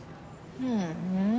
ふん。